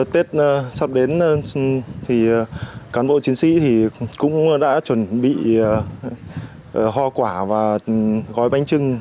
tết sắp đến thì cán bộ chiến sĩ cũng đã chuẩn bị hoa quả và gói bánh trưng